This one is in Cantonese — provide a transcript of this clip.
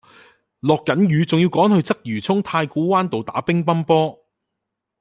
落緊雨仲要趕住去鰂魚涌太古灣道打乒乓波